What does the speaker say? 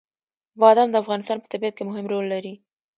بادام د افغانستان په طبیعت کې مهم رول لري.